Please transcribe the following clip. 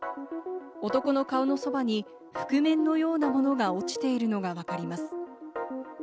男の顔のそばに覆面のようなものが落ちているのがわかります。